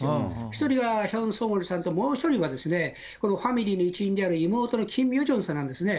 １人はヒョン・ソンウォルさんと、もう１人がですね、このファミリーの一員である妹のキム・ヨジョンさんなんですね。